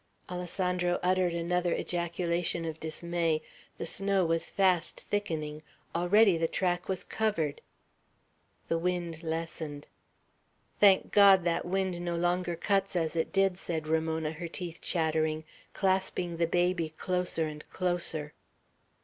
Alessandro uttered another ejaculation of dismay. The snow was fast thickening; already the track was covered. The wind lessened. "Thank God, that wind no longer cuts as it did," said Ramona, her teeth chattering, clasping the baby closer and closer.